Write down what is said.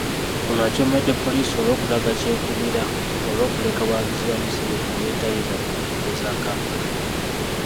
Ono acoomedde poliisi olw'okulaga kyekubiira olw'okuleka abawagizi ba Museveni nebeetaayiza ku nguudo za Kampala